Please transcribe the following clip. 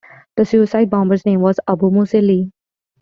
The suicide bomber's name was Abu Museli.